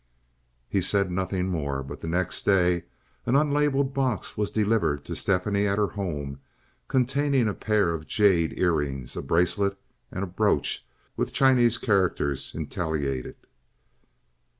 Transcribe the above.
He said nothing more; but the next day an unlabeled box was delivered to Stephanie at her home containing a pair of jade ear rings, a bracelet, and a brooch with Chinese characters intagliated.